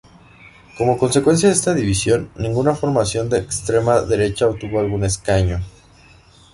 Como consecuencia de esta división, ninguna formación de extrema derecha obtuvo algún escaño.